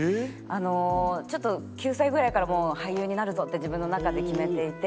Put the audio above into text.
あのちょっと９歳ぐらいから俳優になるぞって自分の中で決めていて。